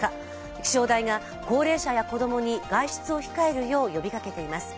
気象台が、高齢者や子供に外出を控えるよう呼びかけています。